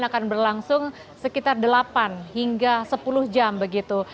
akan berlangsung sekitar delapan hingga sepuluh jam begitu